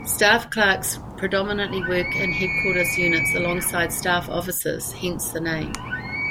Staff clerks predominantly work in headquarters units alongside staff officers, hence the name.